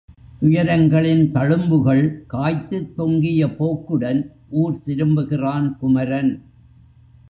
துயரங்களின் தழும்புகள் காய்த்துத் தொங்கிய போக்குடன் ஊர் திரும்புகிறான் குமரன்.